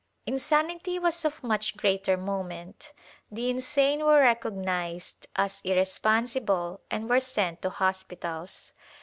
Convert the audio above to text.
Insanity was of much greater moment. The insane were recog nized as irresponsible and were sent to hospitals.